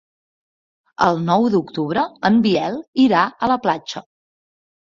El nou d'octubre en Biel irà a la platja.